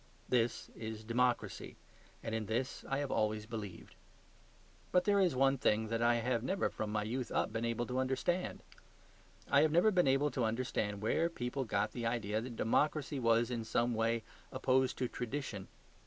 This is democracy; and in this I have always believed. But there is one thing that I have never from my youth up been able to understand. I have never been able to understand where people got the idea that democracy was in some way opposed to tradition.